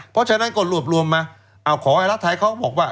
เพราะฉะนั้นก็รวบรวมมาขอให้รัฐไทยเขาบอกว่า